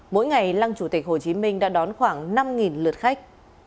mỗi ngày lăng chủ tịch hồ chí minh đã đón khoảng năm lượt khách